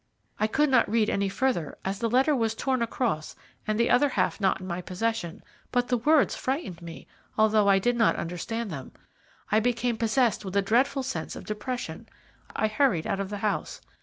I could not read any further, as the letter was torn across and the other half not in my possession, but the words frightened me, although I did not understand them. I became possessed with a dreadful sense of depression. I hurried out of the house.